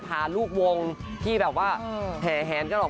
ภ้าลูกวงที่แบบว่าแผนก็ลงมากล้า